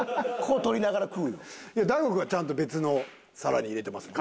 大悟君はちゃんと別の皿に入れてますもんね。